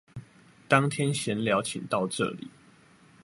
當天閒聊請到這裡